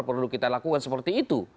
perlu kita lakukan seperti itu